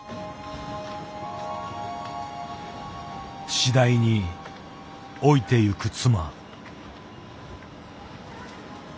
次第に老いてゆく妻。